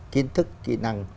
kiến thức kỹ năng